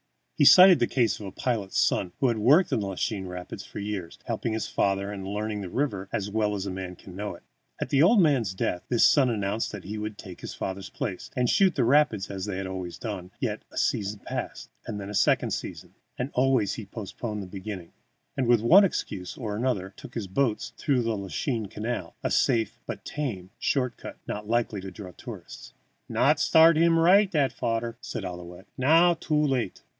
He cited the case of a pilot's son who had worked in the Lachine Rapids for years, helping his father, and learned the river as well as a man can know it. At the old man's death, this son announced that he would take his father's place, and shoot the rapids as they always had done; yet a season passed, then a second season, and always he postponed beginning, and, with one excuse or another, took his boats through the Lachine Canal, a safe but tame short cut, not likely to draw tourists. "Not start heem right, that fadder," said Ouillette. "Now too late.